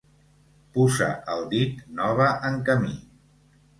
Puça al dit, nova en camí.